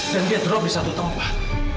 dan dia drop di satu tempat